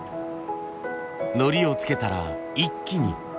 のりを付けたら一気に。